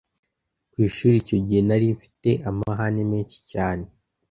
Ku ishuli icyo gihe nari mfite amahane menshi cyane